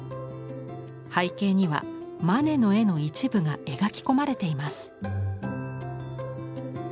背景にはマネの絵の一部が描き込まれています。